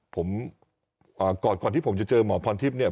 ผมก่อนก่อนที่ผมจะเจอหมอพรทิพย์เนี่ย